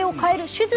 手術？